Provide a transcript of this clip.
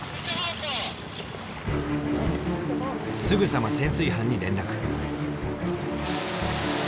すぐさま潜水班に連絡。